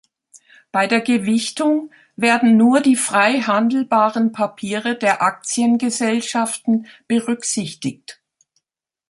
Bei der Gewichtung werden nur die frei handelbaren Papiere der Aktiengesellschaften berücksichtigt.